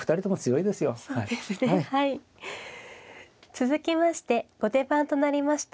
続きまして後手番となりました